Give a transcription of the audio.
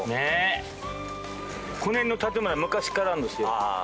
この辺の建物昔からあるんですよ。